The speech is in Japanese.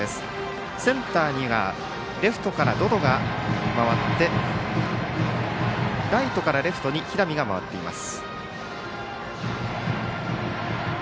センターにはレフトから百々が回ってライトからレフトに平見が回っています。